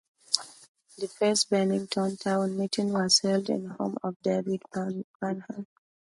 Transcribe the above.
The first Bennington town meeting was held in home of David Farnham.